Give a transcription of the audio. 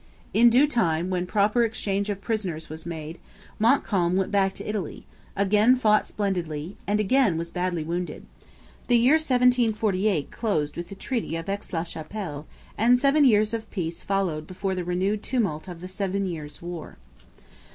In due time, when proper exchange of prisoners was made, Montcalm went back to Italy, again fought splendidly, and again was badly wounded. The year 1748 closed with the Treaty of Aix la Chapelle; and seven years of peace followed before the renewed tumult of the Seven Years' War.